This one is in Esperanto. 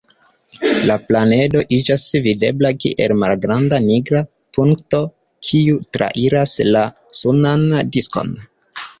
La planedo iĝas videbla kiel malgranda nigra punkto, kiu trairas la sunan diskon.